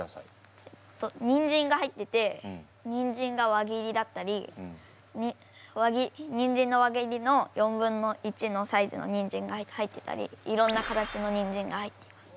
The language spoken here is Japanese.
えっとにんじんが入っててにんじんが輪切りだったりにんじんの輪切りの４分の１のサイズのにんじんが入ってたりいろんな形のにんじんが入っています。